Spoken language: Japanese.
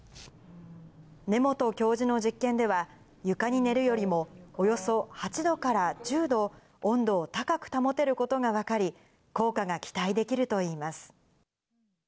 根本教授の実験では、床に寝るよりも、およそ８度から１０度、温度を高く保てることが分かり、効果が期待できるといいます。